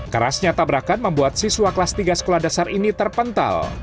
kerasnya tabrakan membuat siswa kelas tiga sekolah dasar ini terpental